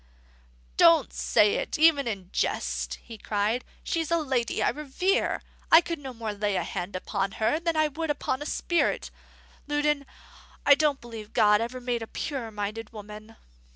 "Don't say it even in jest," he cried. "She's a lady I revere. I could no more lay a hand upon her than I could upon a spirit. Loudon, I don't believe God ever made a purer minded woman."